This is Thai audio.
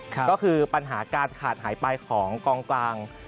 ก็คือปัญหาการขาดหายไปของกองกลาง